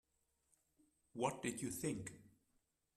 What did you think?